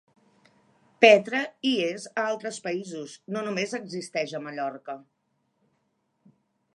Petra hi és a altres països, no només existeix a Mallorca.